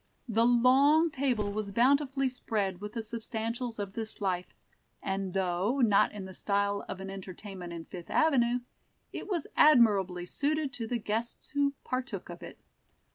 The long table was bountifully spread with the substantials of this life, and though not in the style of an entertainment in Fifth Avenue, it was admirably suited to the guests who partook of it.